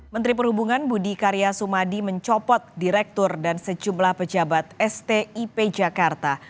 menteri perhubungan budi karya sumadi mencopot direktur dan sejumlah pejabat stip jakarta